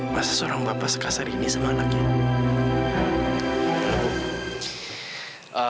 masa seorang bapak sekasar ini sama anaknya